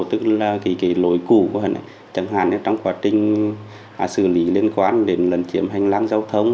thì cái lối cũ của hắn chẳng hạn trong quá trình xử lý liên quan đến lần chiếm hành lang giao thông